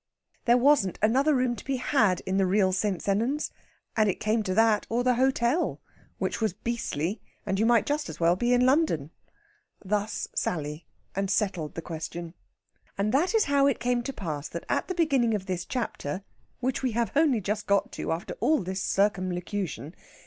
There wasn't another room to be had in the real St. Sennans, and it came to that or the hotel (which was beastly), and you might just as well be in London. Thus Sally, and settled the question. And this is how it comes to pass that at the beginning of this chapter which we have only just got to, after all this circumlocution!